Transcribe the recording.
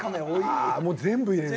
あもう全部入れる。